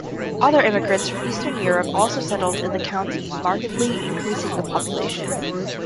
Other immigrants from eastern Europe also settled in the county, markedly increasing the population.